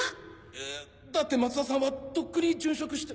えっだって松田さんはとっくに殉職して。